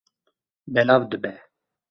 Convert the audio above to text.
Belav dibe.